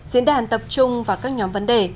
diễn đàn tập trung vào các nhóm vấn đề